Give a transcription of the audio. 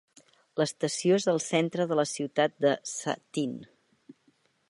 L'estació és al centre de la ciutat de Sha Tin.